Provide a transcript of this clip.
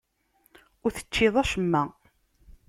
Ur teččiḍ acemma.